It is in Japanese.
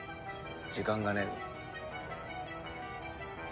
時間がねえぞ。